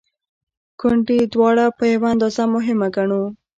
ګوندې دواړه په یوه اندازه مهمه ګڼو.